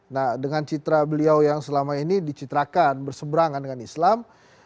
nah dengan citra beliau yang selama ini dicitrakan berseberangan dengan islam